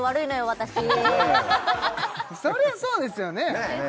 私そりゃそうですよねねえ